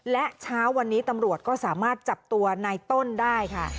และเช้าวันนี้ตำรวจก็สามารถจับตัวในต้นได้ค่ะ